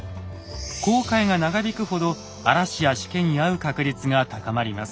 航海が長引くほど嵐やしけに遭う確率が高まります。